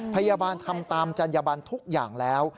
พยาบาลทำตามจัญญบันทุกอย่างแล้ว